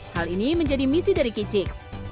hal ini menjadi misi dari kicix